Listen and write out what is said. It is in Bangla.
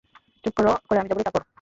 চুপ করে আমি যা বলি তা করো।